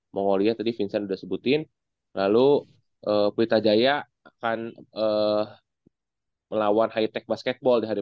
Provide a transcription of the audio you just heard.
mongolia tadi vincent udah sebutin lalu berita jaya akan melawan high tech basketball di hari